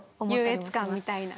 優越感みたいな。